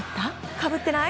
かぶってない？